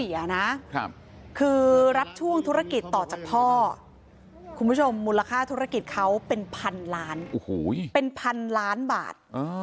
รับช่วงธุรกิจต่อจากพ่อคุณผู้ชมมูลค่าธุรกิจเขาเป็นพันล้านเป็นพันล้านบาท